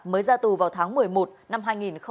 mới ra tù vào tháng một mươi một năm hai nghìn hai mươi một